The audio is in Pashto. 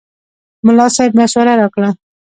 ملا صاحب مشوره راکړه.